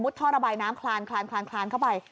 มุดทอระบายน้ำคลานนไป